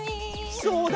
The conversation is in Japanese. そうだ！